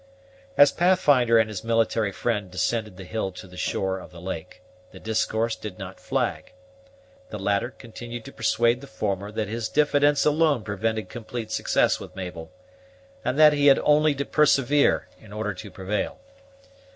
As Pathfinder and his military friend descended the hill to the shore of the lake, the discourse did not flag. The latter continued to persuade the former that his diffidence alone prevented complete success with Mabel, and that he had only to persevere in order to prevail.